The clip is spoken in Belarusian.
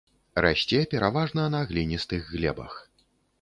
Расце пераважна на гліністых глебах.